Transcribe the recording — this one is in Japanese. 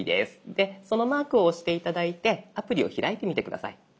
でそのマークを押して頂いてアプリを開いてみて下さい。